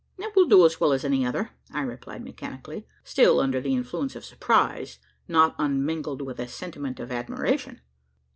"It will do as well as any other," I replied mechanically still under the influence of surprise, not unmingled with a sentiment of admiration.